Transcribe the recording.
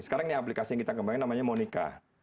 sekarang ini aplikasi yang kita kembangin namanya monica